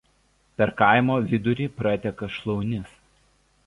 Per kaimo vidurį prateka Šlaunis.